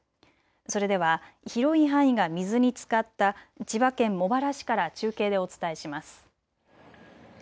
それでは広い範囲が水につかった千葉県茂原市から中継でお伝えします。